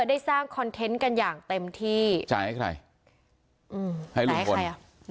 ได้สร้างคอนเทนต์กันอย่างเต็มที่จ่ายให้ใครอืมให้ลุงพลใครอ่ะ